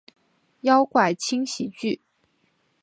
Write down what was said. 妖怪轻喜剧！